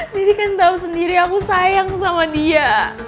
diti kan tau sendiri aku sayang sama dia